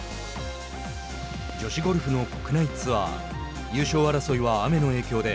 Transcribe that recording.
女子ゴルフの国内ツアー優勝争いは、雨の影響で